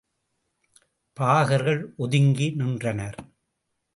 பாகர்கள் ஒதுங்கி நின்றனர்.